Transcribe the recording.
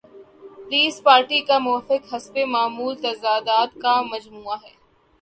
Peoples Party کا موقف حسب معمول تضادات کا مجموعہ ہے۔